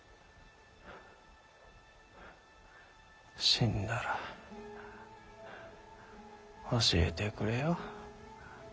死んだら教えてくれよ。